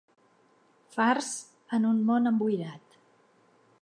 Fars en un món emboirat.